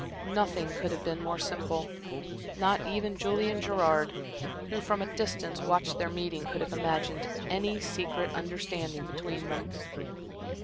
Nothing could have been more simple. Not even Julian Gerard, who from a distance watched their meeting, could have imagined any secret understanding between them.